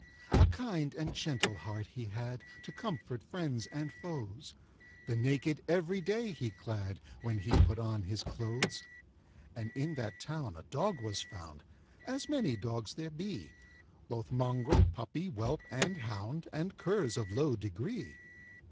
A kind and gentle heart he had, To comfort friends and foes; The naked every day he clad, When he put on his clothes. And in that town a dog was found, As many dogs there be, Both mongrel, puppy, whelp, and hound, And curs of low degree.